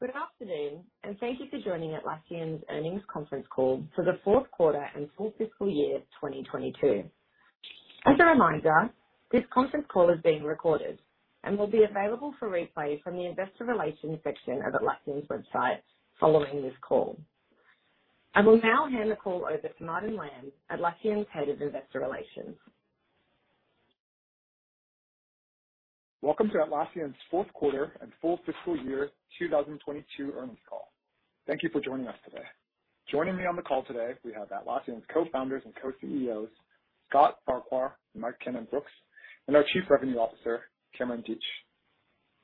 Good afternoon, and thank you for joining Atlassian's earnings conference call for the fourth quarter and full fiscal year 2022. As a reminder, this conference call is being recorded and will be available for replay from the investor relations section of Atlassian's website following this call. I will now hand the call over to Martin Lam, Atlassian's Head of Investor Relations. Welcome to Atlassian's fourth quarter and full fiscal year 2022 earnings call. Thank you for joining us today. Joining me on the call today, we have Atlassian's Co-Founders and Co-CEOs, Scott Farquhar and Mike Cannon-Brookes, and our Chief Revenue Officer, Cameron Deatsch.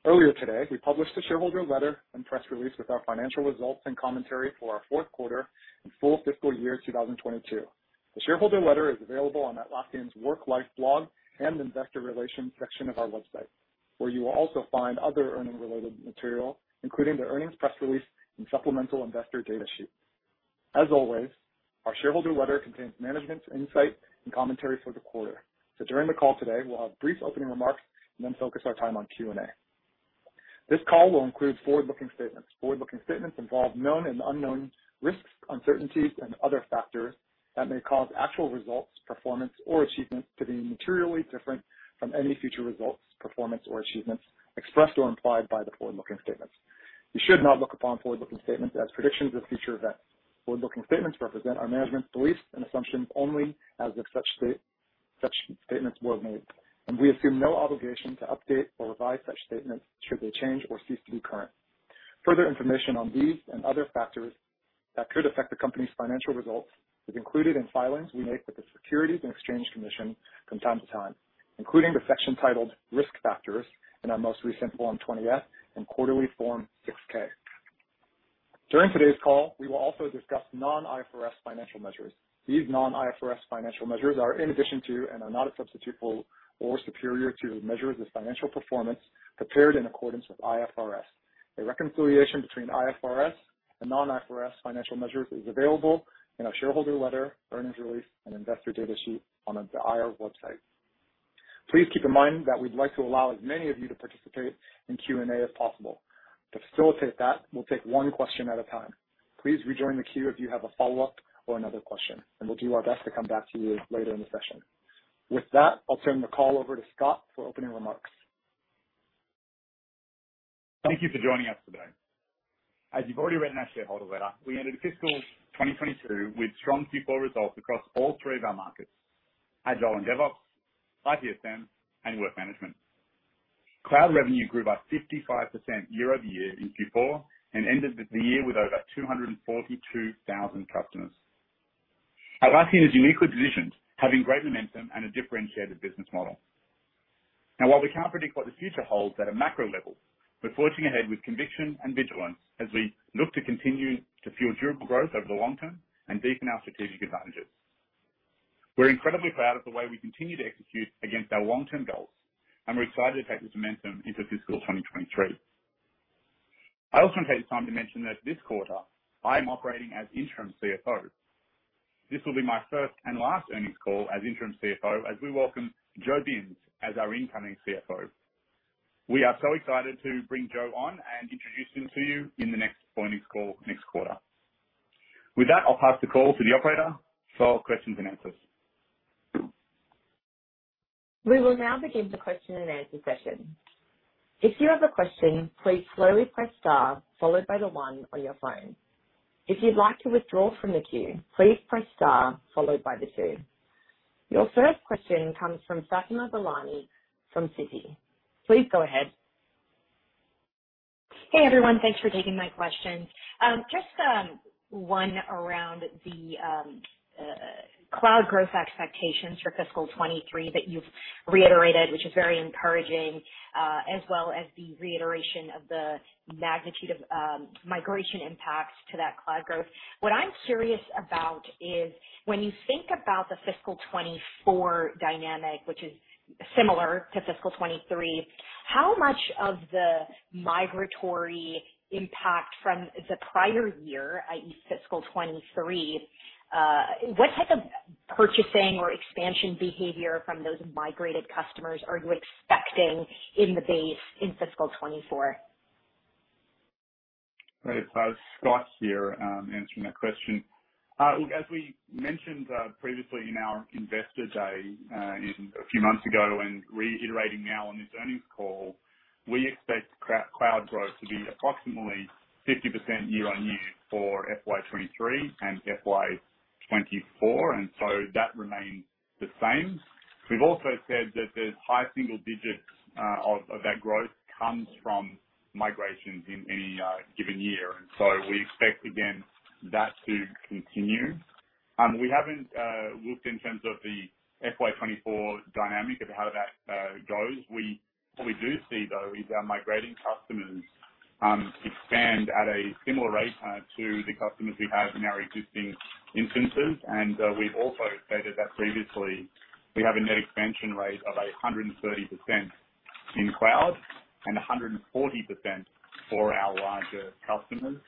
Earlier today, we published a shareholder letter and press release with our financial results and commentary for our fourth quarter and full fiscal year 2022. The shareholder letter is available on Atlassian's Work Life blog and investor relations section of our website, where you will also find other earnings-related material, including the earnings press release and supplemental investor data sheet. As always, our shareholder letter contains management's insight and commentary for the quarter. During the call today, we'll have brief opening remarks and then focus our time on Q&A. This call will include forward-looking statements. Forward-looking statements involve known and unknown risks, uncertainties, and other factors that may cause actual results, performance, or achievements to be materially different from any future results, performance, or achievements expressed or implied by the forward-looking statements. You should not look upon forward-looking statements as predictions of future events. Forward-looking statements represent our management's beliefs and assumptions only as of such statements were made, and we assume no obligation to update or revise such statements should they change or cease to be current. Further information on these and other factors that could affect the company's financial results is included in filings we make with the Securities and Exchange Commission from time to time, including the section titled Risk Factors in our most recent Form 20-F and quarterly Form 6-K. During today's call, we will also discuss non-IFRS financial measures. These non-IFRS financial measures are in addition to and are not a substitute for or superior to measures of financial performance prepared in accordance with IFRS. A reconciliation between IFRS and non-IFRS financial measures is available in our shareholder letter, earnings release, and investor data sheet on the IR website. Please keep in mind that we'd like to allow as many of you to participate in Q&A as possible. To facilitate that, we'll take one question at a time. Please rejoin the queue if you have a follow-up or another question, and we'll do our best to come back to you later in the session. With that, I'll turn the call over to Scott for opening remarks. Thank you for joining us today. As you've already read in our shareholder letter, we ended fiscal 2022 with strong Q4 results across all three of our markets, Agile and DevOps, ITSM, and Work Management. Cloud revenue grew by 55% year-over-year in Q4 and ended the year with over 242,000 customers. Atlassian is uniquely positioned, having great momentum and a differentiated business model. Now, while we can't predict what the future holds at a macro level, we're forging ahead with conviction and vigilance as we look to continue to fuel durable growth over the long term and deepen our strategic advantages. We're incredibly proud of the way we continue to execute against our long-term goals, and we're excited to take this momentum into fiscal 2023. I also want to take this time to mention that this quarter, I am operating as interim CFO. This will be my first and last earnings call as interim CFO, as we welcome Joe Binz as our incoming CFO. We are so excited to bring Joe on and introduce him to you in the next earnings call next quarter. With that, I'll pass the call to the operator for questions and answers. We will now begin the question and answer session. If you have a question, please slowly press star followed by the one on your phone. If you'd like to withdraw from the queue, please press star followed by the two. Your first question comes from Fatima Boolani from Citi. Please go ahead. Hey, everyone. Thanks for taking my question. Just one around the cloud growth expectations for fiscal 2023 that you've reiterated, which is very encouraging, as well as the reiteration of the magnitude of migration impact to that cloud growth. What I'm curious about is, when you think about the fiscal 2024 dynamic, which is similar to fiscal 2023, how much of the migratory impact from the prior year, i.e., fiscal 2023, what type of purchasing or expansion behavior from those migrated customers are you expecting in the base in fiscal 2024? Scott here, answering that question. Look, as we mentioned previously in our Investor Day a few months ago and reiterating now on this earnings call, we expect cloud growth to be approximately 50% year-on-year for FY 2023 and FY 2024, and so that remains the same. We've also said that there's high single digits of that growth comes from migrations in any given year, and so we expect, again, that to continue. We haven't looked in terms of the FY 2024 dynamic of how that goes. What we do see, though, is our migrating customers expand at a similar rate to the customers we have in our existing instances. We've also stated that previously, we have a net expansion rate of 130% in cloud and 140% for our larger customers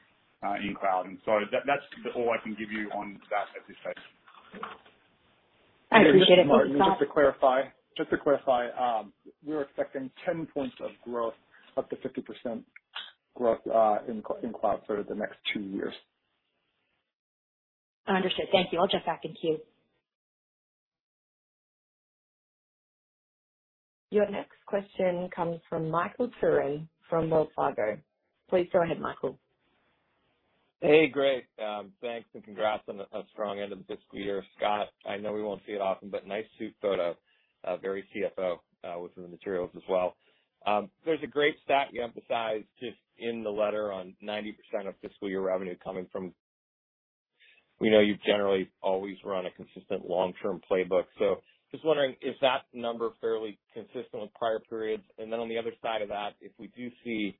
in cloud. That's all I can give you on that at this stage. I appreciate it. Just to clarify, we're expecting 10 points of growth up to 50% growth in cloud for the next two years. Understood. Thank you. I'll jump back in queue. Your next question comes from Michael Turrin from Wells Fargo. Please go ahead, Michael. Hey, great. Thanks and congrats on a strong end of the fiscal year. Scott, I know we won't see it often, but nice suit photo, very CFO with the materials as well. There's a great stat you emphasized just in the letter on 90% of fiscal year revenue coming from. We know you've generally always run a consistent long-term playbook. Just wondering if that number fairly consistent with prior periods. On the other side of that, if we do see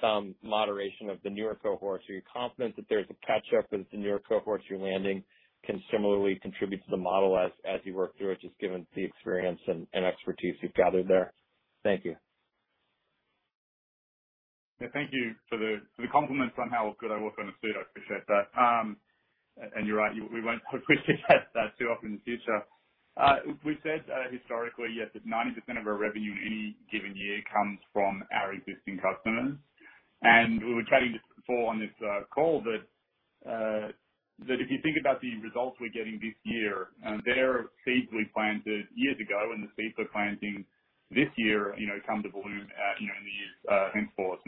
some moderation of the newer cohorts, are you confident that there's a catch-up as the newer cohorts you're landing can similarly contribute to the model as you work through it, just given the experience and expertise you've gathered there? Thank you. Yeah, thank you for the compliment on how good I look in a suit. I appreciate that. You're right, we won't see that too often in the future. We've said historically, yes, that 90% of our revenue in any given year comes from our existing customers. We were trying to foreshadow on this call that if you think about the results we're getting this year, they are seeds we planted years ago, and the seeds we're planting this year, you know, come to bloom, you know, in the years in force.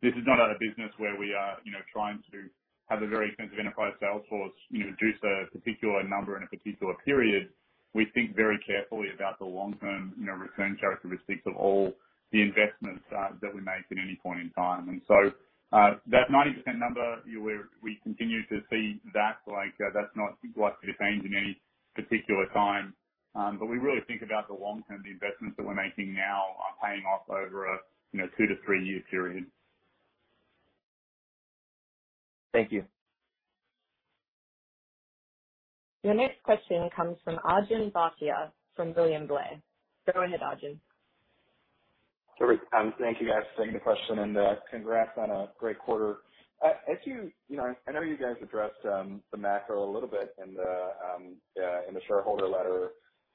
This is not a business where we are, you know, trying to have a very expensive enterprise sales force, you know, produce a particular number in a particular period. We think very carefully about the long-term, you know, return characteristics of all the investments that we make at any point in time. That 90% number, we continue to see that, like, that's not likely to change in any particular time. We really think about the long term. The investments that we're making now are paying off over a, you know, two- to three-year period. Thank you. Your next question comes from Arjun Bhatia from William Blair. Go ahead, Arjun. Great. Thank you guys for taking the question and, congrats on a great quarter. As you know, I know you guys addressed the macro a little bit in the shareholder letter,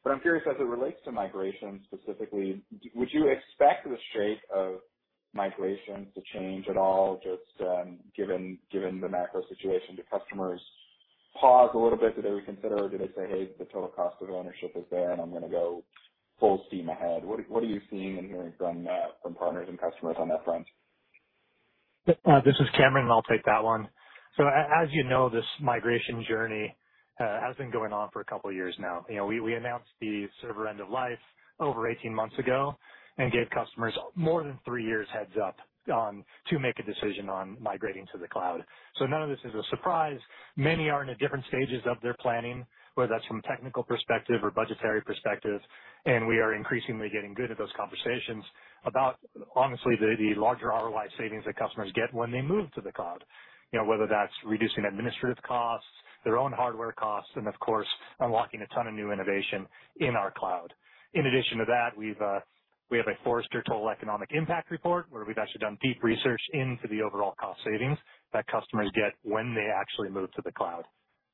but I'm curious, as it relates to migration specifically, would you expect the shape of migration to change at all, just given the macro situation? Do customers pause a little bit? Do they reconsider or do they say, "Hey, the total cost of ownership is there, and I'm gonna go full steam ahead"? What are you seeing and hearing from partners and customers on that front? This is Cameron, and I'll take that one. As you know, this migration journey has been going on for a couple of years now. You know, we announced the server End of Life over 18 months ago and gave customers more than three years heads-up to make a decision on migrating to the cloud. None of this is a surprise. Many are in the different stages of their planning, whether that's from technical perspective or budgetary perspective. We are increasingly getting good at those conversations about, honestly, the larger ROI savings that customers get when they move to the cloud. You know, whether that's reducing administrative costs, their own hardware costs, and of course, unlocking a ton of new innovation in our cloud. In addition to that, we have a Forrester Total Economic Impact report where we've actually done deep research into the overall cost savings that customers get when they actually move to the cloud.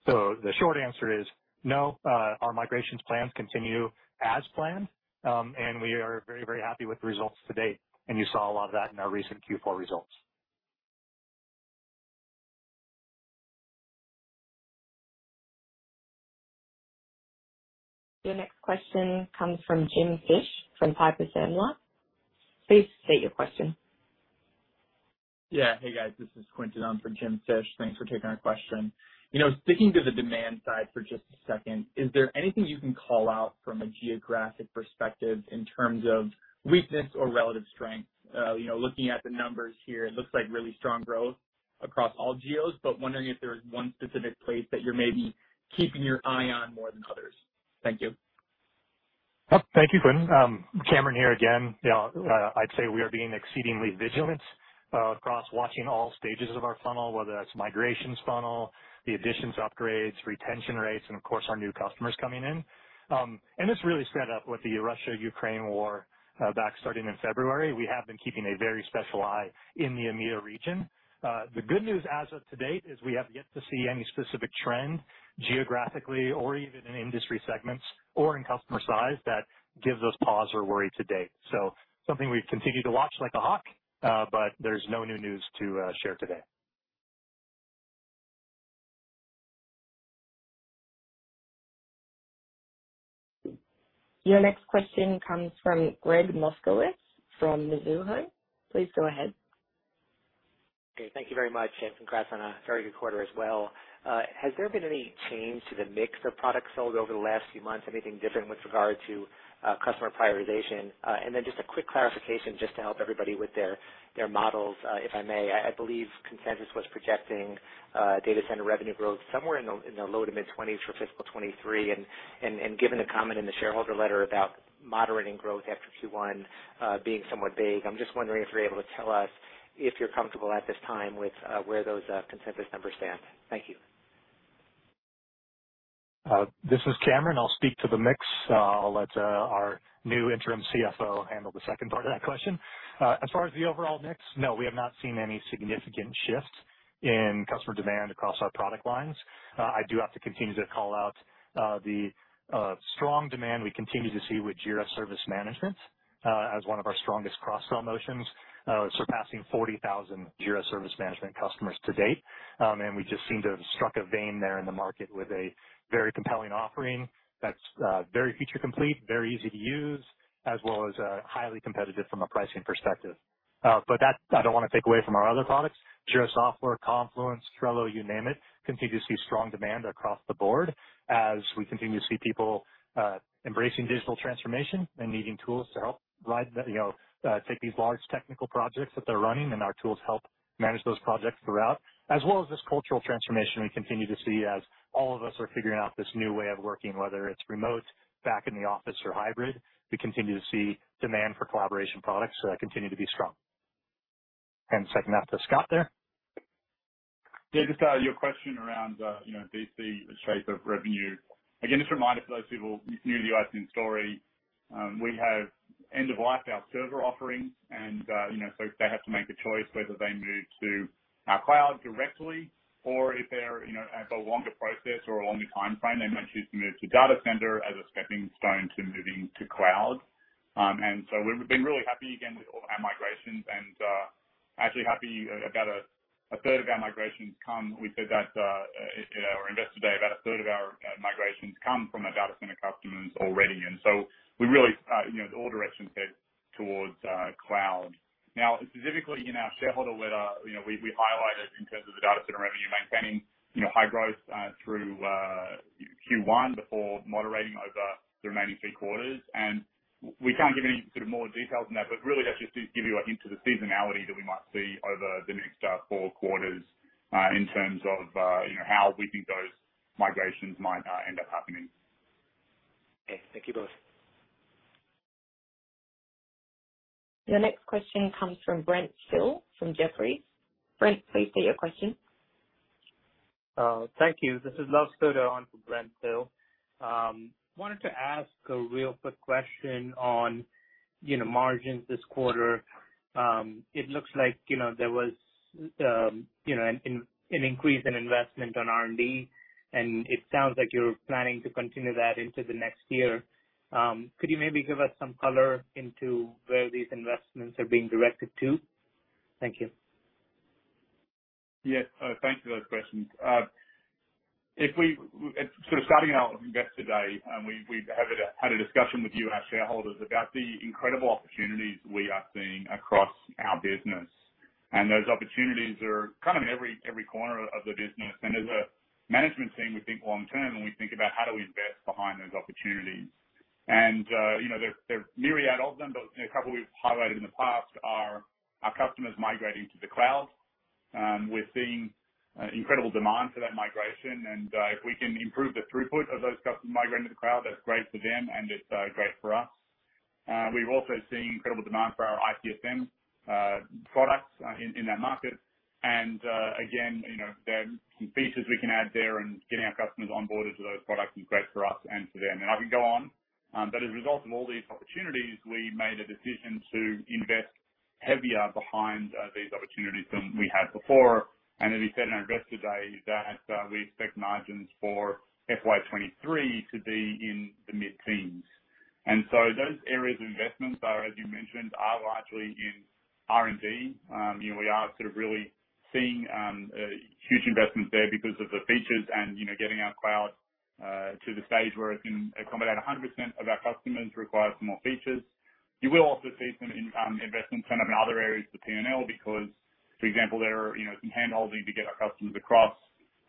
The short answer is no. Our migration plans continue as planned, and we are very, very happy with the results to date. You saw a lot of that in our recent Q4 results. Your next question comes from Jim Fish from Piper Sandler. Please state your question. Yeah. Hey, guys. This is Quentin on for James Fish. Thanks for taking our question. You know, sticking to the demand side for just a second, is there anything you can call out from a geographic perspective in terms of weakness or relative strength? You know, looking at the numbers here, it looks like really strong growth across all geos, but wondering if there's one specific place that you're maybe keeping your eye on more than others. Thank you. Oh, thank you, Quentin. Cameron here again. You know, I'd say we are being exceedingly vigilant across watching all stages of our funnel, whether that's migrations funnel, the additions, upgrades, retention rates, and of course, our new customers coming in. This really sped up with the Russia-Ukraine war back starting in February. We have been keeping a very special eye in the EMEA region. The good news as of today is we have yet to see any specific trend geographically or even in industry segments or in customer size that gives us pause or worry to date. Something we've continued to watch like a hawk, but there's no new news to share today. Your next question comes from Gregg Moskowitz from Mizuho. Please go ahead. Okay, thank you very much, and congrats on a very good quarter as well. Has there been any change to the mix of products sold over the last few months? Anything different with regard to customer prioritization? Then just a quick clarification just to help everybody with their models, if I may. I believe consensus was projecting data center revenue growth somewhere in the low to mid-20s% for fiscal 2023. Given the comment in the shareholder letter about moderating growth after Q1 being somewhat big, I'm just wondering if you're able to tell us if you're comfortable at this time with where those consensus numbers stand. Thank you. This is Cameron. I'll speak to the mix. I'll let our new interim CFO handle the second part of that question. As far as the overall mix, no, we have not seen any significant shifts in customer demand across our product lines. I do have to continue to call out the strong demand we continue to see with Jira Service Management, as one of our strongest cross-sell motions, surpassing 40,000 Jira Service Management customers to date. We just seem to have struck a vein there in the market with a very compelling offering that's very feature complete, very easy to use, as well as highly competitive from a pricing perspective. That, I don't wanna take away from our other products. Jira Software, Confluence, Trello, you name it, continue to see strong demand across the board as we continue to see people embracing digital transformation and needing tools to help drive the, you know, take these large technical projects that they're running, and our tools help manage those projects throughout. As well as this cultural transformation we continue to see as all of us are figuring out this new way of working, whether it's remote, back in the office or hybrid, we continue to see demand for collaboration products continue to be strong. Second off to Scott there. Yeah, just your question around you know DC, the shape of revenue. Again, just a reminder for those people who are new to the Atlassian story, we have End of Life our server offerings and you know so they have to make a choice whether they move to our cloud directly or if they're you know it's a longer process or a longer timeframe, they may choose to move to data center as a stepping stone to moving to cloud. We've been really happy again with all our migrations and actually happy about a third of our migrations come. We said that you know our Investor Day, about a third of our migrations come from our data center customers already. We really you know all directions head towards cloud. Now, specifically in our shareholder letter, you know, we highlighted in terms of the data center revenue maintaining, you know, high growth through Q1 before moderating over the remaining three quarters. We can't give any sort of more details than that, but really that's just to give you a hint to the seasonality that we might see over the next four quarters in terms of you know, how we think those migrations might end up happening. Okay. Thank you both. Your next question comes from Brent Thill from Jefferies. Brent, please state your question. Thank you. This is Luv Sodha on for Brent Thill. Wanted to ask a real quick question on, you know, margins this quarter. It looks like, you know, there was, you know, an increase in investment in R&D, and it sounds like you're planning to continue that into the next year. Could you maybe give us some color on where these investments are being directed to? Thank you. Yes. Thank you for those questions. If sort of starting our Investor Day, we had a discussion with you, our shareholders, about the incredible opportunities we are seeing across our business. Those opportunities are kind of in every corner of the business. As a management team, we think long term, and we think about how do we invest behind those opportunities. You know, there are myriad of them, but, you know, a couple we've highlighted in the past are our customers migrating to the cloud. We're seeing incredible demand for that migration, and if we can improve the throughput of those customers migrating to the cloud, that's great for them and it's great for us. We've also seen incredible demand for our ITSM products in that market. Again, you know, there are some features we can add there, and getting our customers onboarded to those products is great for us and for them. I can go on. As a result of all these opportunities, we made a decision to invest heavier behind these opportunities than we had before. As we said in our Investor Day, we expect margins for FY 2023 to be in the mid-teens. Those areas of investments, as you mentioned, are largely in R&D. You know, we are sort of really seeing huge investments there because of the features and, you know, getting our cloud to the stage where it can accommodate 100% of our customers requires some more features. You will also see some investments kind of in other areas of the P&L because, for example, there are, you know, some handholding to get our customers across.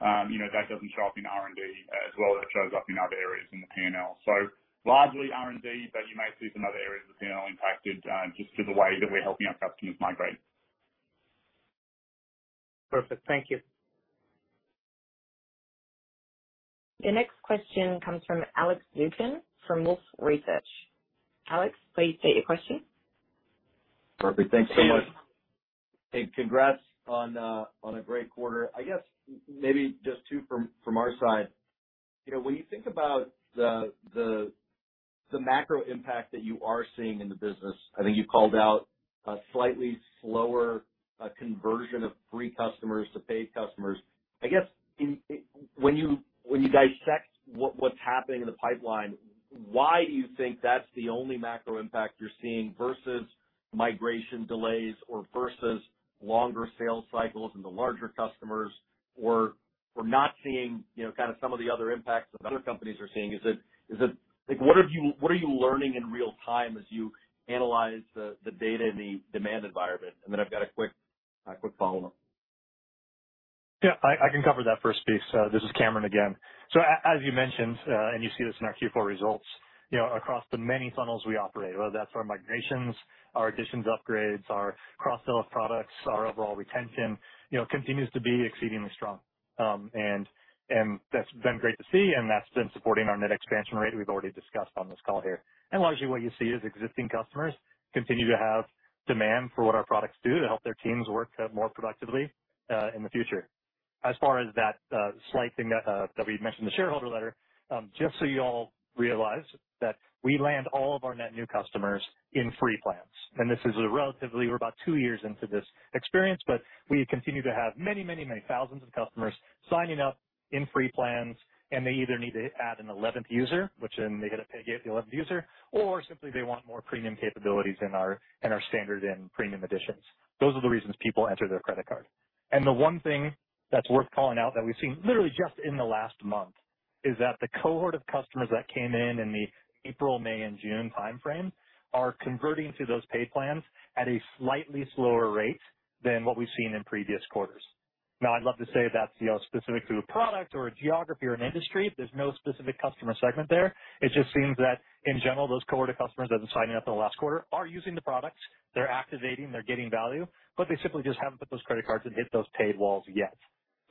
You know, that doesn't show up in R&D as well as it shows up in other areas in the P&L. Largely R&D, but you may see some other areas of the P&L impacted, just through the way that we're helping our customers migrate. Perfect. Thank you. Your next question comes from Alex Zukin from Wolfe Research. Alex, please state your question. Perfect. Thanks so much. Hey, congrats on a great quarter. I guess maybe just two from our side. You know, when you think about the macro impact that you are seeing in the business, I think you called out a slightly slower conversion of free customers to paid customers. I guess when you dissect what's happening in the pipeline, why do you think that's the only macro impact you're seeing versus migration delays or versus longer sales cycles in the larger customers, or we're not seeing, you know, kind of some of the other impacts that other companies are seeing? Is it like what are you learning in real time as you analyze the data and the demand environment? I've got a quick follow-up. Yeah, I can cover that first piece. This is Cameron again. So as you mentioned, and you see this in our Q4 results, you know, across the many funnels we operate, whether that's our migrations, our additions upgrades, our cross-sell of products, our overall retention, you know, continues to be exceedingly strong. That's been great to see, and that's been supporting our net expansion rate we've already discussed on this call here. Largely what you see is existing customers continue to have demand for what our products do to help their teams work, more productively, in the future. As far as that slight thing that we mentioned in the shareholder letter, just so you all realize that we land all of our net new customers in free plans. This is relatively, we're about two years into this experience, but we continue to have many thousands of customers signing up in free plans, and they either need to add an 11th user, which then they get to pay the 11th user, or simply they want more premium capabilities in our standard and premium editions. Those are the reasons people enter their credit card. The one thing that's worth calling out that we've seen literally just in the last month is that the cohort of customers that came in in the April, May and June timeframe are converting to those paid plans at a slightly slower rate than what we've seen in previous quarters. Now, I'd love to say that's, you know, specific to a product or a geography or an industry. There's no specific customer segment there. It just seems that, in general, those cohort of customers that have signed up in the last quarter are using the products. They're activating, they're getting value, but they simply just haven't put those credit cards and hit those paid walls yet.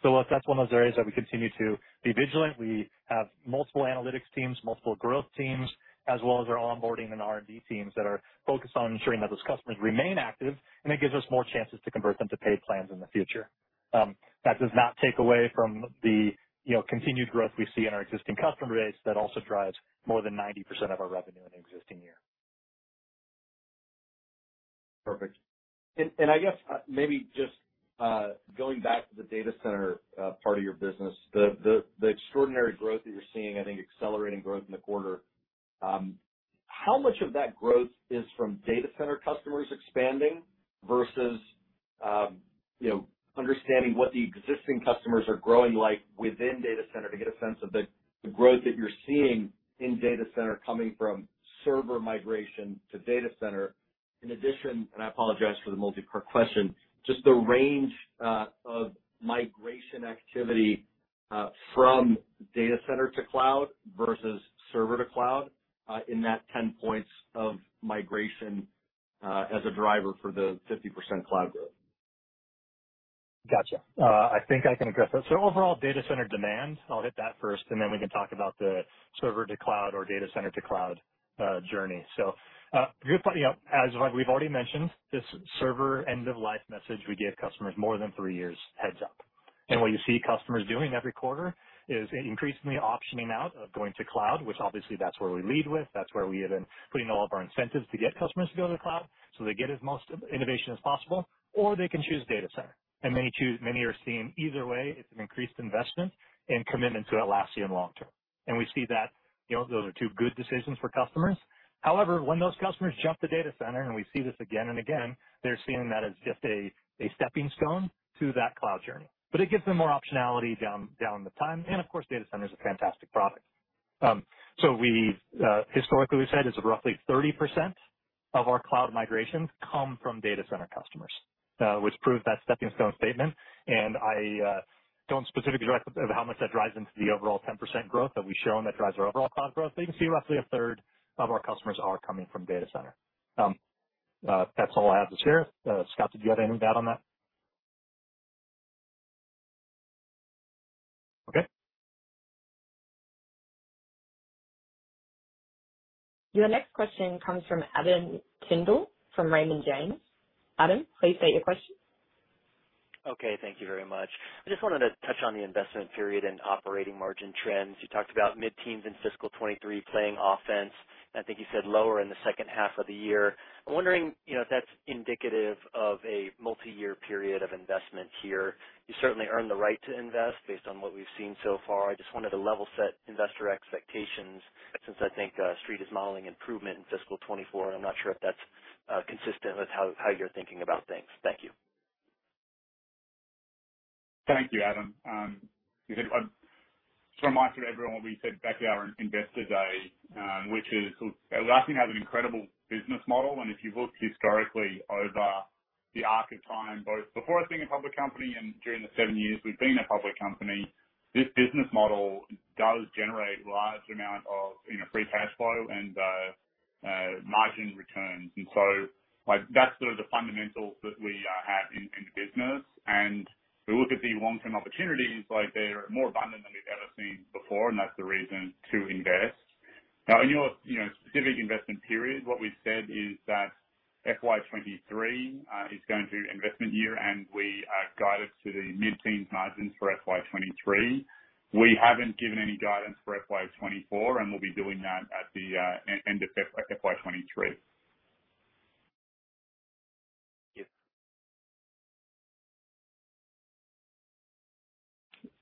That's one of those areas that we continue to be vigilant. We have multiple analytics teams, multiple growth teams, as well as our onboarding and R&D teams that are focused on ensuring that those customers remain active, and it gives us more chances to convert them to paid plans in the future. That does not take away from the, you know, continued growth we see in our existing customer base that also drives more than 90% of our revenue in the existing year. Perfect. I guess maybe just going back to the data center part of your business. The extraordinary growth that you're seeing, I think accelerating growth in the quarter, how much of that growth is from data center customers expanding versus, you know, understanding what the existing customers are growing like within data center to get a sense of the growth that you're seeing in data center coming from server migration to data center? In addition, I apologize for the multi-part question, just the range of migration activity from data center to cloud versus server to cloud in that 10 points of migration as a driver for the 50% cloud growth. Gotcha. I think I can address that. Overall data center demand, I'll hit that first, and then we can talk about the server to cloud or data center to cloud journey. Good point. As we've already mentioned, this server End of Life message, we give customers more than three years heads up. What you see customers doing every quarter is increasingly optioning out of going to cloud, which obviously that's where we lead with. That's where we have been putting all of our incentives to get customers to go to cloud, so they get the most innovation as possible, or they can choose data center. Many are seeing either way, it's an increased investment and commitment to Atlassian long term. We see that, you know, those are two good decisions for customers. However, when those customers jump to data center, and we see this again and again, they're seeing that as just a stepping stone to that cloud journey. It gives them more optionality down the line. Of course, data center is a fantastic product. Historically we said it's roughly 30% of our cloud migrations come from data center customers, which proves that stepping stone statement. I don't specifically track how much that drives into the overall 10% growth that we show, and that drives our overall cloud growth. You can see roughly one-third of our customers are coming from data center. That's all I have to share. Scott, did you have anything to add on that? Okay. Your next question comes from Adam Tindle, from Raymond James. Adam, please state your question. Okay, thank you very much. I just wanted to touch on the investment period and operating margin trends. You talked about mid-teens in fiscal 2023 playing offense, and I think you said lower in the second half of the year. I'm wondering, you know, if that's indicative of a multi-year period of investment here. You certainly earned the right to invest based on what we've seen so far. I just wanted to level set investor expectations since I think Street is modeling improvement in fiscal 2024. I'm not sure if that's consistent with how you're thinking about things. Thank you. Thank you, Adam. Just a reminder to everyone what we said back at our Investor Day, which is Atlassian has an incredible business model. If you look historically over the arc of time, both before us being a public company and during the seven years we've been a public company, this business model does generate large amount of, you know, free cash flow and margin returns. Like, that's sort of the fundamentals that we have in the business. We look at the long-term opportunities like they're more abundant than we've ever seen before, and that's the reason to invest. Now, in your, you know, specific investment period, what we've said is that FY 2023 is going to be investment year, and we guided to the mid-teen margins for FY 2023. We haven't given any guidance for FY 2024, and we'll be doing that at the end of FY 2023.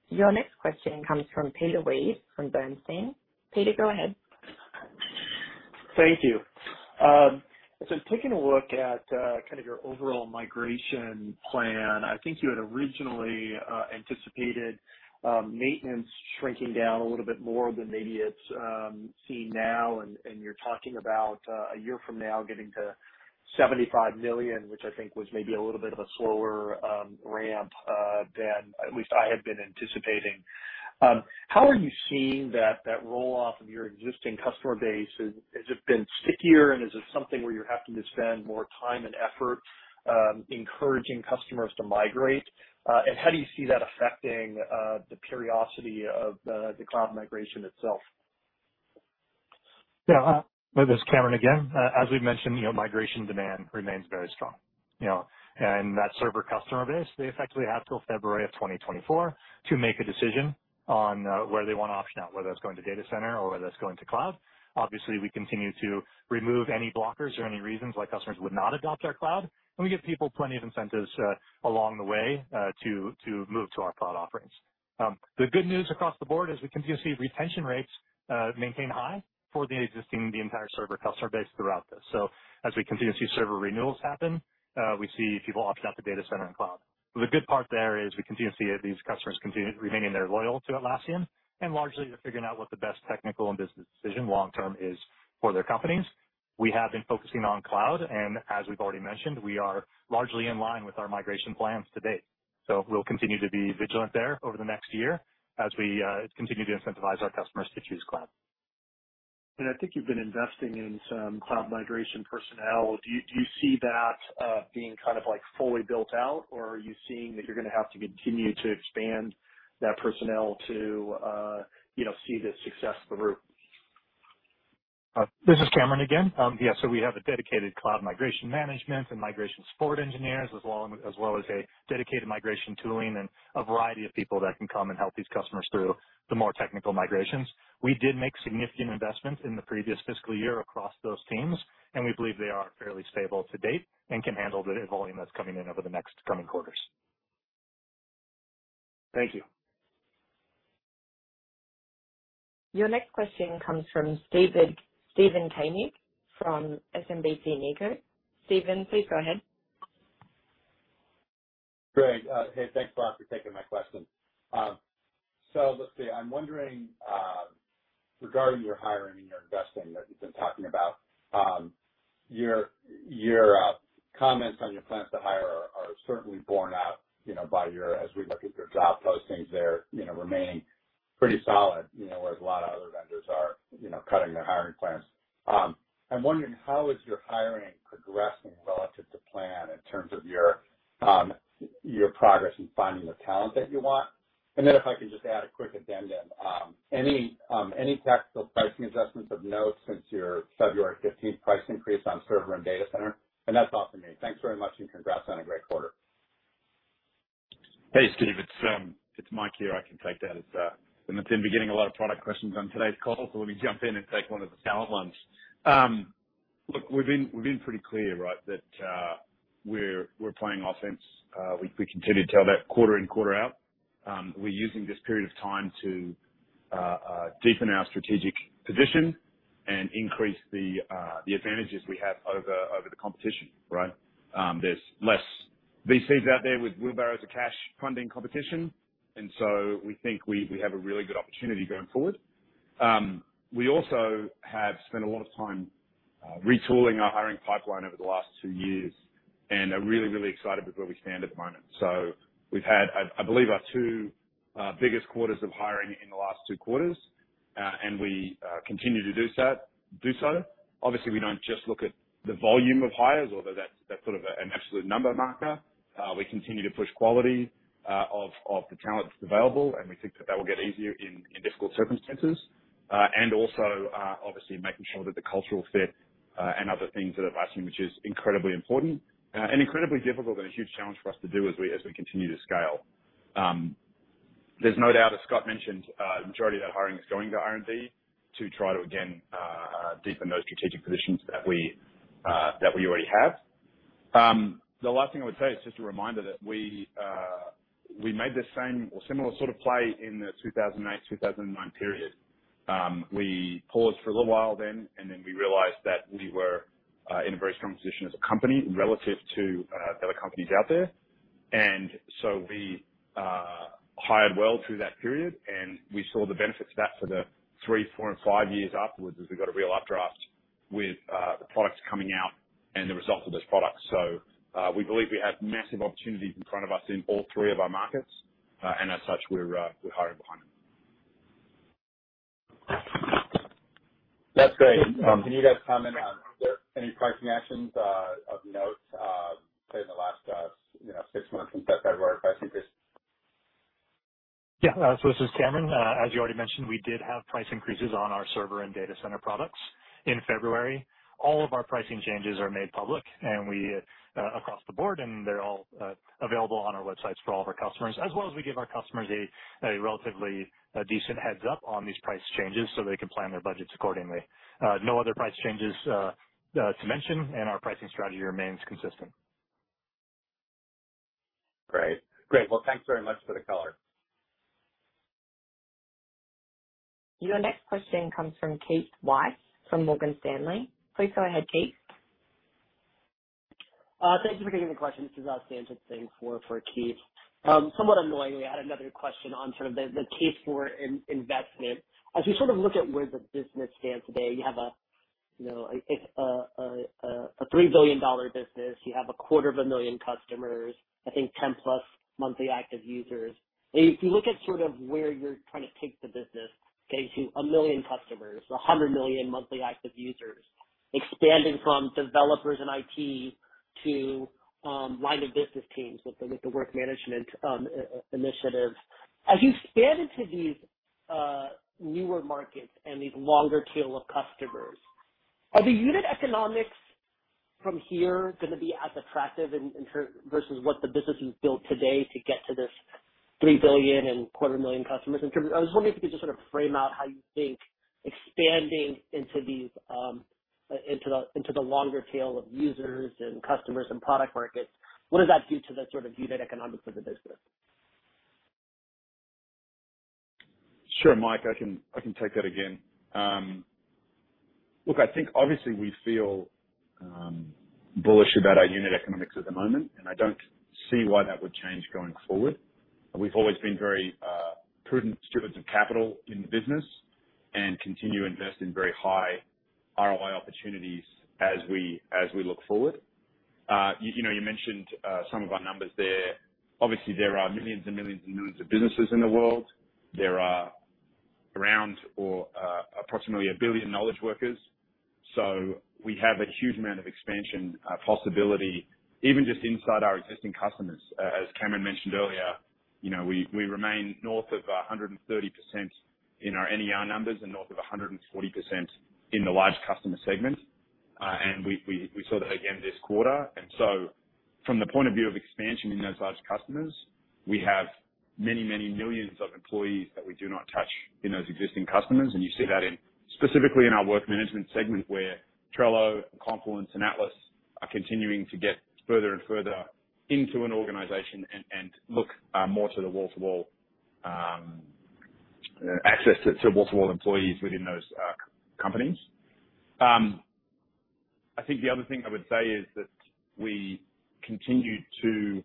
Your next question comes from Peter Weed, from Bernstein. Peter, go ahead. Thank you. So taking a look at kind of your overall migration plan, I think you had originally anticipated maintenance shrinking down a little bit more than maybe it's seen now, and you're talking about a year from now getting to $75 million, which I think was maybe a little bit of a slower ramp than at least I had been anticipating. How are you seeing that roll off of your existing customer base? Has it been stickier, and is it something where you're having to spend more time and effort encouraging customers to migrate? How do you see that affecting the velocity of the cloud migration itself? Yeah, this is Cameron again. As we've mentioned, you know, migration demand remains very strong, you know. That server customer base, they effectively have till February 2024 to make a decision on whether they wanna option out, whether that's going to data center or whether that's going to cloud. Obviously, we continue to remove any blockers or any reasons why customers would not adopt our cloud, and we give people plenty of incentives along the way to move to our cloud offerings. The good news across the board is we continue to see retention rates maintain high for the entire server customer base throughout this. As we continue to see server renewals happen, we see people option out to data center and cloud. The good part there is we continue to see these customers continue to remain loyal to Atlassian and largely they're figuring out what the best technical and business decision long term is for their companies. We have been focusing on cloud, and as we've already mentioned, we are largely in line with our migration plans to date. We'll continue to be vigilant there over the next year as we continue to incentivize our customers to choose cloud. I think you've been investing in some cloud migration personnel. Do you see that being kind of like fully built out, or are you seeing that you're gonna have to continue to expand that personnel to you know, see this success through? This is Cameron again. We have a dedicated cloud migration management and migration support engineers as well as a dedicated migration tooling and a variety of people that can come and help these customers through the more technical migrations. We did make significant investments in the previous fiscal year across those teams, and we believe they are fairly stable to date and can handle the volume that's coming in over the next coming quarters. Thank you. Your next question comes from Steven Koenig from SMBC Nikko. Steven, please go ahead. Great. Hey, thanks for taking my question. So let's see. I'm wondering regarding your hiring and your investing that you've been talking about, your comments on your plans to hire are certainly borne out, you know, by, as we look at your job postings there, you know, remaining pretty solid, you know, whereas a lot of other vendors are, you know, cutting their hiring plans. I'm wondering how your hiring is progressing relative to plan in terms of your progress in finding the talent that you want? Then if I can just add a quick addendum, any tactical pricing adjustments of note since your February 15th price increase on server and data center. That's all from me. Thanks very much, and congrats on a great quarter. Hey, Steven. It's Mike here. I can take that. It's been a lot of product questions on today's call, so let me jump in and take one of the talent ones. Look, we've been pretty clear, right, that we're playing offense. We continue to tell that quarter in, quarter out. We're using this period of time to deepen our strategic position and increase the advantages we have over the competition, right? There's less VCs out there with wheelbarrows of cash funding competition, and so we think we have a really good opportunity going forward. We also have spent a lot of time retooling our hiring pipeline over the last two years and are really excited with where we stand at the moment. We've had, I believe, our two biggest quarters of hiring in the last two quarters, and we continue to do so. Obviously, we don't just look at the volume of hires, although that's sort of an absolute number marker. We continue to push quality of the talent that's available, and we think that will get easier in difficult circumstances. And also, obviously making sure that the cultural fit and other things at Atlassian, which is incredibly important and incredibly difficult and a huge challenge for us to do as we continue to scale. There's no doubt, as Scott mentioned, the majority of that hiring is going to R&D to try to again deepen those strategic positions that we already have. The last thing I would say is just a reminder that we made the same or similar sort of play in the 2008, 2009 period. We paused for a little while then, and then we realized that we were in a very strong position as a company relative to the other companies out there. We hired well through that period, and we saw the benefits of that for the three, four, and five years afterwards as we got a real updraft with the products coming out and the results of those products. We believe we have massive opportunities in front of us in all three of our markets, and as such, we're hiring behind them. That's great. Can you guys comment on are there any pricing actions of note, say in the last, you know, six months since that February price increase? Yeah. So this is Cameron. As you already mentioned, we did have price increases on our server and data center products in February. All of our pricing changes are made public, and we across the board, and they're all available on our websites for all of our customers, as well as we give our customers a relatively decent heads up on these price changes so they can plan their budgets accordingly. No other price changes to mention, and our pricing strategy remains consistent. Great. Well, thanks very much for the color. Your next question comes from Keith Weiss from Morgan Stanley. Please go ahead, Keith. Thank you for taking the question. This is Sanjit Singh on for Keith. Somewhat annoyingly, I had another question on sort of the case for investment. As you sort of look at where the business stands today, you have, you know, a $3 billion business. You have a 250,000 customers, I think 10+ monthly active users. If you look at sort of where you're trying to take the business, say, to 1 million customers or 100 million monthly active users, expanding from developers and IT to line of business teams with the Work Management initiative. As you expand into these newer markets and these long tail of customers, are the unit economics from here gonna be as attractive in terms versus what the business is built today to get to this $3 billion and 250,000 customers? I was wondering if you could just sort of frame out how you think expanding into the long tail of users and customers and product markets, what does that do to the sort of unit economics of the business? Sure, Mike, I can take that again. Look, I think obviously we feel bullish about our unit economics at the moment, and I don't see why that would change going forward. We've always been very prudent stewards of capital in the business and continue to invest in very high ROI opportunities as we look forward. You know, you mentioned some of our numbers there. Obviously there are millions and millions and millions of businesses in the world. There are approximately 1 billion knowledge workers. So we have a huge amount of expansion possibility even just inside our existing customers. As Cameron mentioned earlier, you know, we remain north of 130% in our NER numbers and north of 140% in the large customer segment. We saw that again this quarter. From the point of view of expansion in those large customers, we have many millions of employees that we do not touch in those existing customers. You see that in, specifically in our Work Management segment, where Trello, Confluence, and Atlas are continuing to get further and further into an organization and look more to the wall-to-wall access to wall-to-wall employees within those companies. I think the other thing I would say is that we continue to,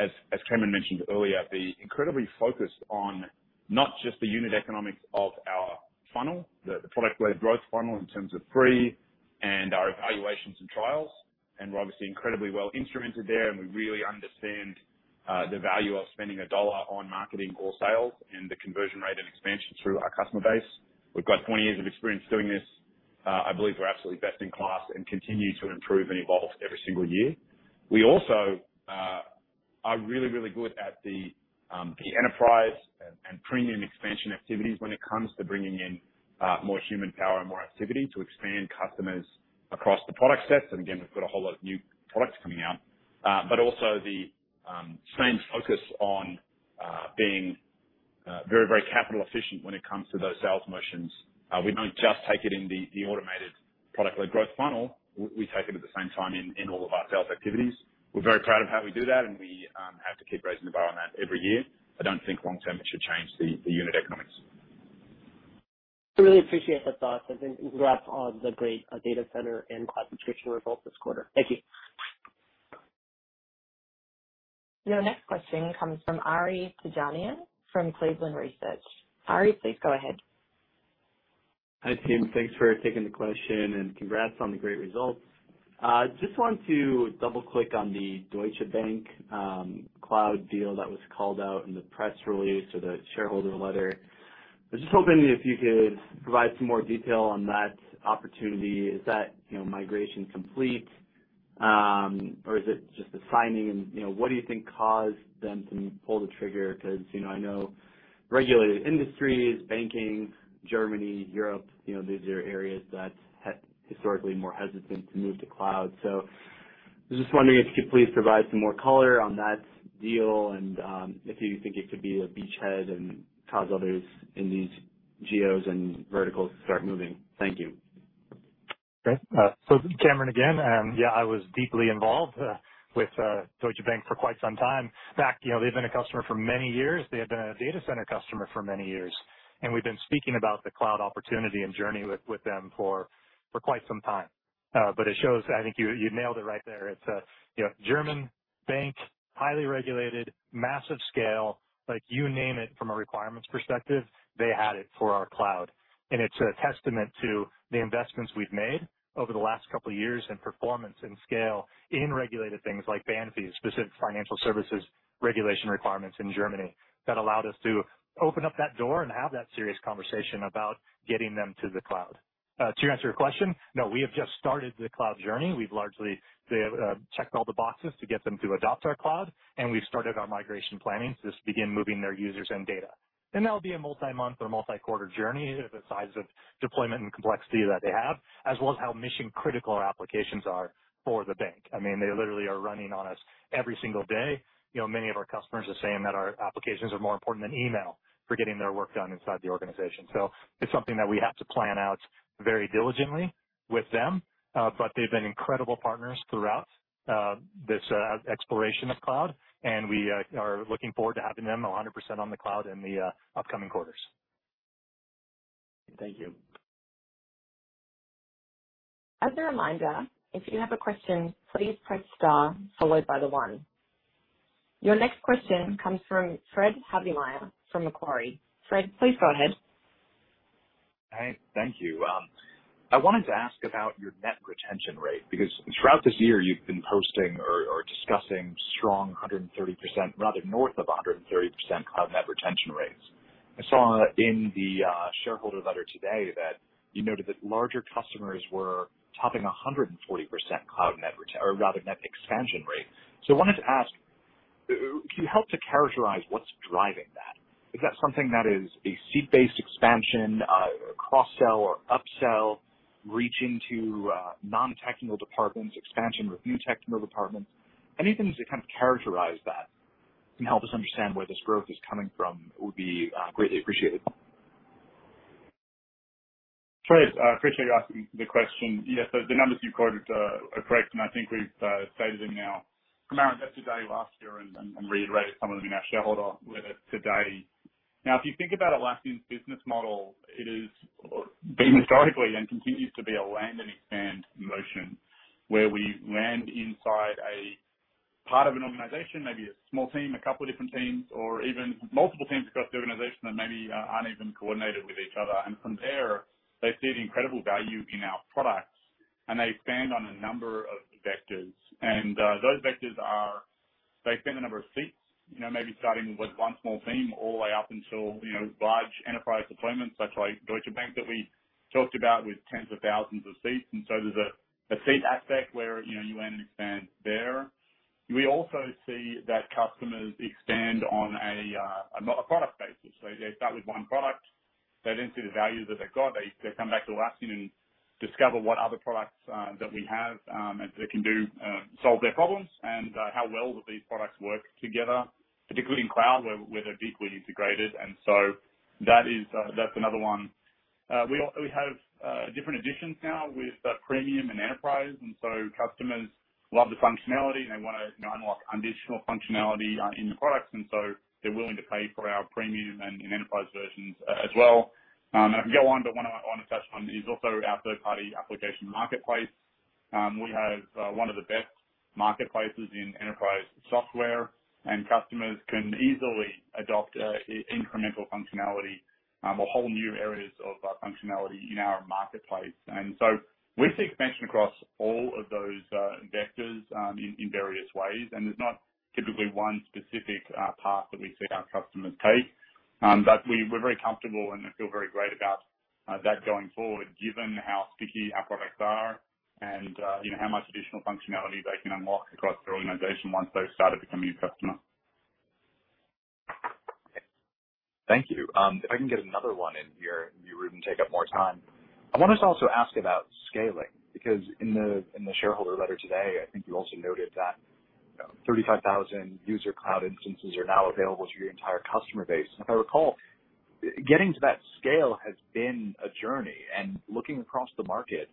as Cameron mentioned earlier, be incredibly focused on not just the unit economics of our funnel, the product-led growth funnel in terms of free and our evaluations and trials, and we're obviously incredibly well-instrumented there, and we really understand the value of spending $1 on marketing or sales and the conversion rate and expansion through our customer base. We've got 20 years of experience doing this. I believe we're absolutely best in class and continue to improve and evolve every single year. We also are really, really good at the enterprise and premium expansion activities when it comes to bringing in more human power and more activity to expand customers across the product sets. Again, we've got a whole lot of new products coming out. Also the same focus on being very capital efficient when it comes to those sales motions. We don't just take it in the automated product-led growth funnel. We take it at the same time in all of our sales activities. We're very proud of how we do that, and we have to keep raising the bar on that every year. I don't think long term it should change the unit economics. Really appreciate the thoughts and then congrats on the great, data center and cloud subscription results this quarter. Thank you. Your next question comes from Ari Terjanian from Cleveland Research. Ari, please go ahead. Hi, team. Thanks for taking the question and congrats on the great results. Just want to double-click on the Deutsche Bank cloud deal that was called out in the press release or the shareholder letter. I was just hoping if you could provide some more detail on that opportunity. Is that, you know, migration complete or is it just the signing? You know, what do you think caused them to pull the trigger? 'Cause, you know, I know regulated industries, banking, Germany, Europe, you know, these are areas that historically more hesitant to move to cloud. I was just wondering if you could please provide some more color on that deal and if you think it could be a beachhead and cause others in these geos and verticals to start moving. Thank you. Great. So Cameron again. Yeah, I was deeply involved with Deutsche Bank for quite some time. In fact, you know, they've been a customer for many years. They have been a data center customer for many years, and we've been speaking about the cloud opportunity and journey with them for quite some time. But it shows, I think you nailed it right there. It's a you know German bank, highly regulated, massive scale. Like, you name it from a requirements perspective, they had it for our cloud. It's a testament to the investments we've made over the last couple years in performance and scale in regulated things like BaFin, specific financial services regulation requirements in Germany, that allowed us to open up that door and have that serious conversation about getting them to the cloud. To answer your question, no, we have just started the cloud journey. They have checked all the boxes to get them to adopt our cloud, and we've started our migration planning to begin moving their users and data. That'll be a multi-month or multi-quarter journey the size of deployment and complexity that they have, as well as how mission critical our applications are for the bank. I mean, they literally are running on us every single day. You know, many of our customers are saying that our applications are more important than email for getting their work done inside the organization. It's something that we have to plan out very diligently with them. They've been incredible partners throughout this exploration of cloud, and we are looking forward to having them 100% on the cloud in the upcoming quarters. Thank you. As a reminder, if you have a question, please press star followed by the one. Your next question comes from Fred Havemeyer from Macquarie. Fred, please go ahead. Hi. Thank you. I wanted to ask about your net retention rate, because throughout this year you've been posting or discussing strong 130%, rather north of 130% cloud net retention rate. I saw in the shareholder letter today that you noted that larger customers were topping 140% cloud net or rather net expansion rate. I wanted to ask, can you help to characterize what's driving that? Is that something that is a seat-based expansion, cross-sell or up-sell, reaching to non-technical departments, expansion with new technical departments? Anything to kind of characterize that can help us understand where this growth is coming from would be greatly appreciated. Sure. I appreciate you asking the question. Yes. The numbers you quoted are correct, and I think we've stated them in our financials today, last year, and reiterated some of them in our shareholder letter today. Now, if you think about Atlassian's business model, it has been historically and continues to be a land and expand motion, where we land inside a part of an organization, maybe a small team, a couple different teams, or even multiple teams across the organization that maybe aren't even coordinated with each other. From there, they see the incredible value in our products, and they expand on a number of vectors. Those vectors are... They expand the number of seats, you know, maybe starting with one small team all the way up until, you know, large enterprise deployments, such as Deutsche Bank that we talked about with tens of thousands of seats. There's a seat aspect where, you know, you land and expand there. We also see that customers expand on a product basis. They start with one product, they then see the value that they've got. They come back to Atlassian and discover what other products that we have, and they can solve their problems and how well that these products work together, particularly in cloud, where they're deeply integrated. That is another one. We have different editions now with premium and enterprise, and so customers love the functionality and they wanna, you know, unlock additional functionality in the products, and so they're willing to pay for our premium and enterprise versions as well. I can go on, but one I wanna touch on is also our third-party application marketplace. We have one of the best marketplaces in enterprise software, and customers can easily adopt incremental functionality or whole new areas of functionality in our marketplace. We see expansion across all of those vectors in various ways. There's not typically one specific path that we see our customers take. We're very comfortable and feel very great about that going forward, given how sticky our products are and you know how much additional functionality they can unlock across their organization once they've started becoming a customer. Thank you. If I can get another one in here, be rude and take up more time. I wanted to also ask about scaling, because in the shareholder letter today, I think you also noted that 35,000-user cloud instances are now available to your entire customer base. If I recall, getting to that scale has been a journey. Looking across the market,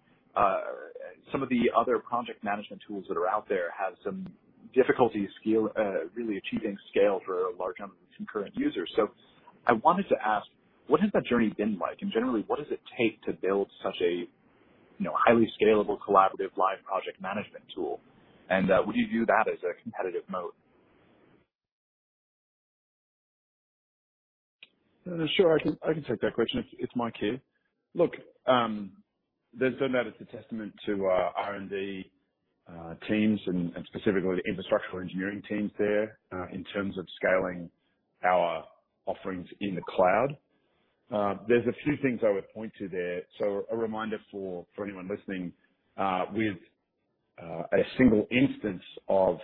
some of the other project management tools that are out there have some difficulty scaling, really achieving scale for large numbers of concurrent users. I wanted to ask, what has that journey been like? Generally, what does it take to build such a, you know, highly scalable, collaborative live project management tool? Would you view that as a competitive moat? Sure. I can take that question. It's my cue. Look, there's no doubt it's a testament to our R&D teams and specifically the infrastructure engineering teams there in terms of scaling our offerings in the cloud. There's a few things I would point to there. A reminder for anyone listening with a single instance of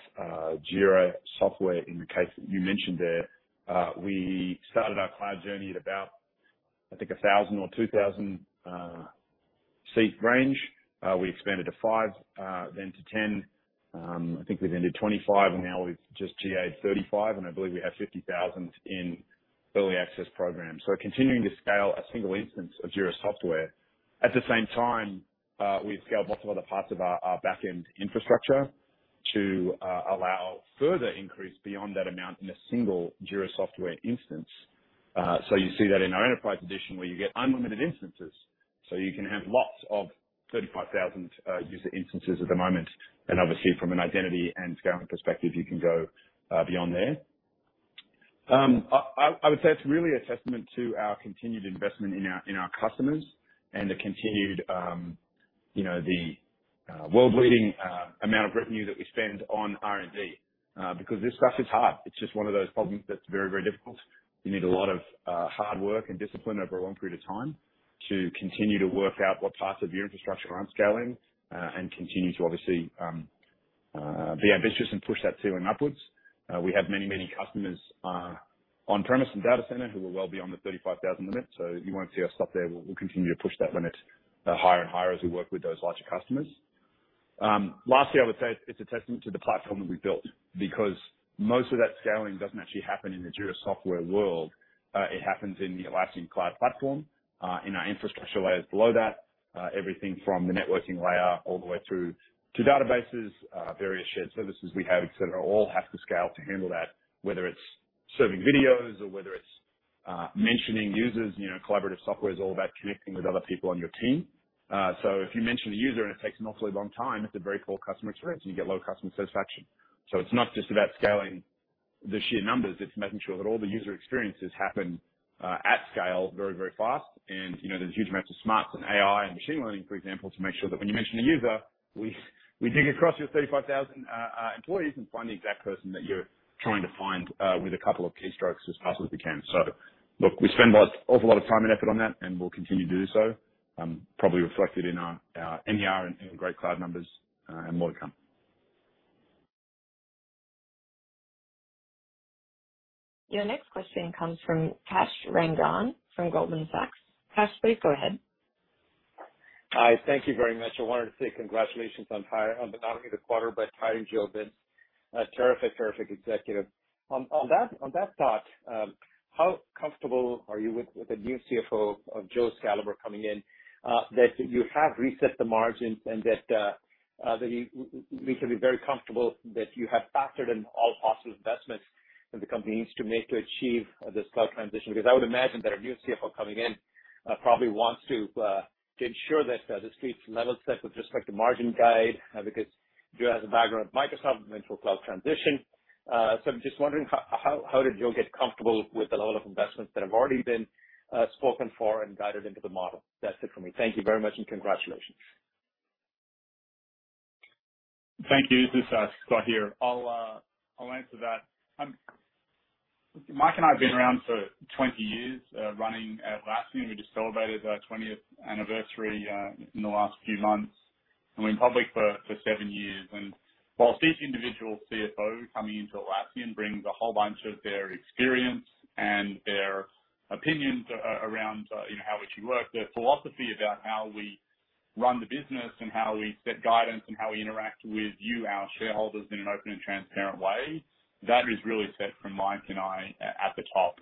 Jira Software in the case that you mentioned there, we started our cloud journey at about, I think, 1,000 or 2,000 seat range. We expanded to five, then to 10. I think we've ended 25, and now we've just GA'd 35, and I believe we have 50,000 in early access programs. Continuing to scale a single instance of Jira Software. At the same time, we've scaled lots of other parts of our back-end infrastructure to allow further increase beyond that amount in a single Jira Software instance. You see that in our enterprise edition where you get unlimited instances. You can have lots of 35,000 user instances at the moment, and obviously from an identity and scaling perspective, you can go beyond there. I would say it's really a testament to our continued investment in our customers and the continued, you know, the world-leading amount of revenue that we spend on R&D because this stuff is hard. It's just one of those problems that's very, very difficult. You need a lot of hard work and discipline over a long period of time to continue to work out what parts of your infrastructure aren't scaling and continue to obviously be ambitious and push that ceiling upwards. We have many customers on premise and data center who are well beyond the 35,000 limit. You won't see us stop there. We'll continue to push that limit higher and higher as we work with those larger customers. Lastly, I would say it's a testament to the platform that we built because most of that scaling doesn't actually happen in the Jira Software world. It happens in the Atlassian cloud platform, in our infrastructure layers below that, everything from the networking layer all the way through to databases, various shared services we have, et cetera, all have to scale to handle that, whether it's serving videos or whether it's mentioning users. You know, collaborative software is all about connecting with other people on your team. If you mention a user and it takes an awfully long time, it's a very poor customer experience and you get low customer satisfaction. It's not just about scaling the sheer numbers, it's making sure that all the user experiences happen at scale very, very fast. You know, there's a huge amount of smarts in AI and machine learning, for example, to make sure that when you mention a user, we dig across your 35,000 employees and find the exact person that you're trying to find with a couple of keystrokes, as fast as we can. Look, we spend lots, an awful lot of time and effort on that, and we'll continue to do so. Probably reflected in our NER and great cloud numbers, and more to come Your next question comes from Kash Rangan from Goldman Sachs. Kash, please go ahead. Hi. Thank you very much. I wanted to say congratulations on not only the quarter, but hiring Joe Binz. A terrific executive. On that thought, how comfortable are you with a new CFO of Joe's caliber coming in, that you have reset the margin and that we can be very comfortable that you have factored in all possible investments that the company needs to make to achieve this cloud transition? Because I would imagine that a new CFO coming in, probably wants to ensure that this Street level set with respect to margin guide, because Joe has a background at Microsoft's monumental cloud transition. I'm just wondering how did Joe get comfortable with the level of investments that have already been spoken for and guided into the model? That's it for me. Thank you very much, and congratulations. Thank you. This is Scott here. I'll answer that. Mike and I have been around for 20 years running Atlassian. We just celebrated our 20th anniversary in the last few months, and we're in public for seven years. While each individual CFO coming into Atlassian brings a whole bunch of their experience and their opinions around, you know, how we should work, their philosophy about how we run the business and how we set guidance and how we interact with you, our shareholders, in an open and transparent way, that is really set from Mike and I at the top.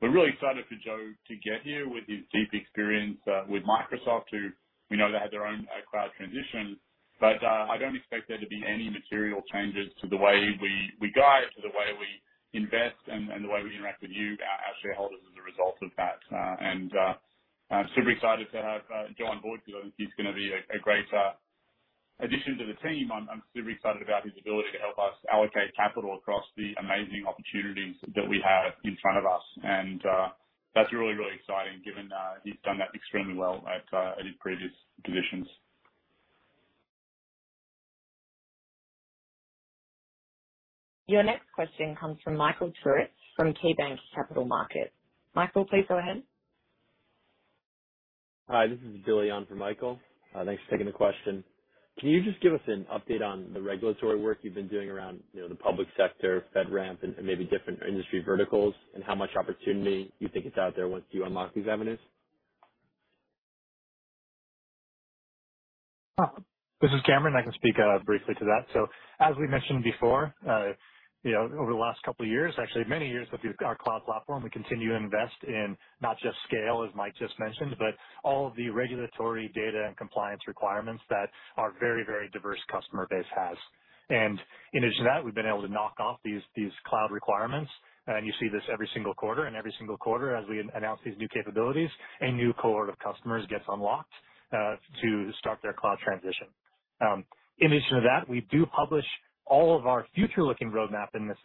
We're really excited for Joe to get here with his deep experience with Microsoft, who we know they had their own cloud transition. I don't expect there to be any material changes to the way we guide, to the way we invest, and the way we interact with you, our shareholders, as a result of that. I'm super excited to have Joe on board because I think he's gonna be a great addition to the team. I'm super excited about his ability to help us allocate capital across the amazing opportunities that we have in front of us. That's really exciting given he's done that extremely well at his previous positions. Your next question comes from Michael Turits from KeyBanc Capital Markets. Michael, please go ahead. Hi, this is Billy on for Michael. Thanks for taking the question. Can you just give us an update on the regulatory work you've been doing around, you know, the public sector FedRAMP and maybe different industry verticals and how much opportunity you think is out there once you unlock these avenues? This is Cameron. I can speak briefly to that. As we mentioned before, you know, over the last couple of years, actually many years with our cloud platform, we continue to invest in not just scale, as Mike just mentioned, but all of the regulatory data and compliance requirements that our very, very diverse customer base has. In addition to that, we've been able to knock off these cloud requirements, and you see this every single quarter. Every single quarter, as we announce these new capabilities, a new cohort of customers gets unlocked to start their cloud transition. In addition to that, we do publish all of our future-looking roadmap in this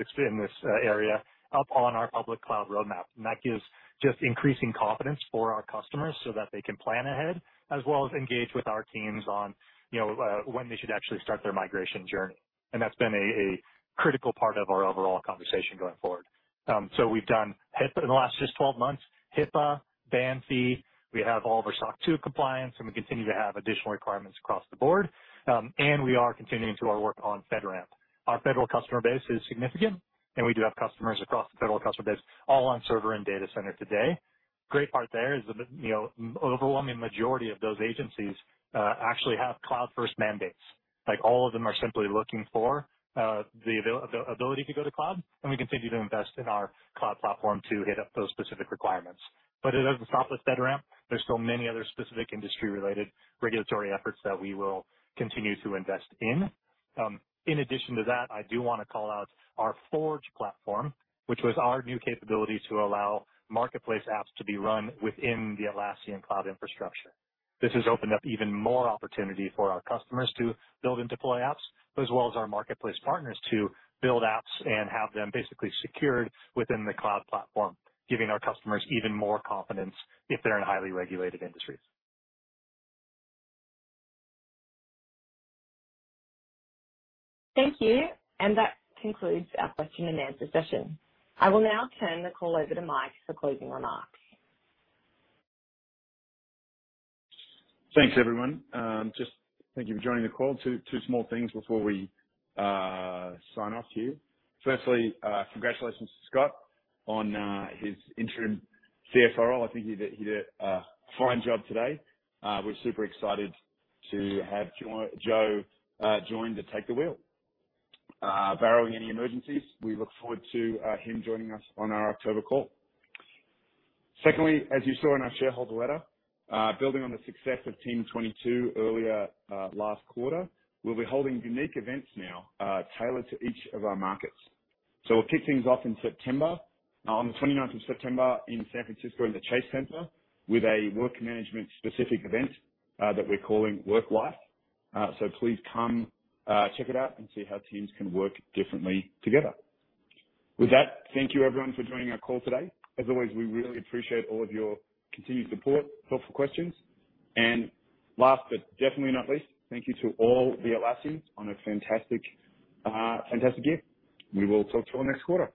area up on our public cloud roadmap. That gives just increasing confidence for our customers so that they can plan ahead as well as engage with our teams on, you know, when they should actually start their migration journey. That's been a critical part of our overall conversation going forward. We've done HIPAA in the last just 12 months, HIPAA, BaFin. We have all of our SOC 2 compliance, and we continue to have additional requirements across the board. We are continuing to do our work on FedRAMP. Our federal customer base is significant, and we do have customers across the federal customer base, all on server and data center today. Great part there is the, you know, overwhelming majority of those agencies actually have cloud-first mandates. Like, all of them are simply looking for the ability to go to cloud, and we continue to invest in our cloud platform to hit up those specific requirements. It doesn't stop with FedRAMP. There's still many other specific industry-related regulatory efforts that we will continue to invest in. In addition to that, I do wanna call out our Forge platform, which was our new capability to allow marketplace apps to be run within the Atlassian cloud infrastructure. This has opened up even more opportunity for our customers to build and deploy apps, as well as our marketplace partners to build apps and have them basically secured within the cloud platform, giving our customers even more confidence if they're in highly regulated industries. Thank you. That concludes our question-and-answer session. I will now turn the call over to Mike for closing remarks. Thanks, everyone. Just thank you for joining the call. Two small things before we sign off here. Firstly, congratulations to Scott on his interim CFO role. I think he did a fine job today. We're super excited to have Joe join to take the wheel. Barring any emergencies, we look forward to him joining us on our October call. Secondly, as you saw in our shareholder letter, building on the success of Team 2022 earlier last quarter, we'll be holding unique events now tailored to each of our markets. We'll kick things off in September on the 29th of September in San Francisco in the Chase Center with a work management specific event that we're calling Work Life. Please come, check it out and see how teams can work differently together. With that, thank you everyone for joining our call today. As always, we really appreciate all of your continued support, helpful questions. Last but definitely not least, thank you to all the Atlassians on a fantastic year. We will talk to you all next quarter.